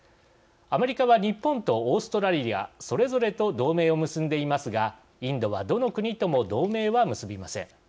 アメリカは日本とオーストラリアそれぞれと同盟を結んでいますがインドはどの国とも同盟は結びません。